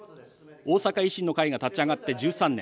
大阪維新の会が立ち上がって１３年。